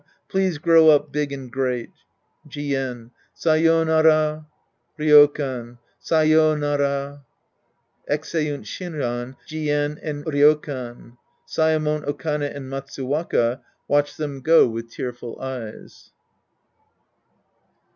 Please grow up big and great. Jien. Sayonara. Ryokan. Sayonara. {Exeunt Shinran, Jien awi/RvSKAN. Saemon, Okane aiui Matsuwaka watch them go with tearful eyes.)